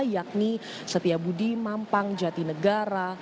yakni setiabudi mampang jatinegara